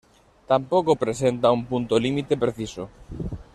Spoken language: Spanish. Tampoco presenta un punto límite preciso.